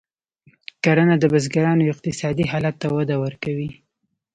کرنه د بزګرانو اقتصادي حالت ته وده ورکوي.